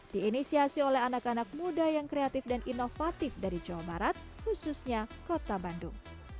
diinisiasi oleh anak anak muda yang kreatif dan inovatif dari jawa barat khususnya kota bandung